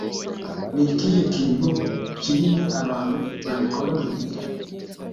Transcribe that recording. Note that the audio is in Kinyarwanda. ni ikihe kintu kinini? abantu babikora buri gihe